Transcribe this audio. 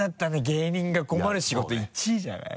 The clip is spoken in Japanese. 芸人が困る仕事１位じゃない？